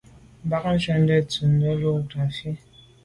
Mbàŋ jɔ̌ŋnə́ túʼdə́ nə̀ lú láʼ ngrāfí.